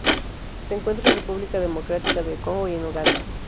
Se encuentra en República Democrática del Congo y en Uganda.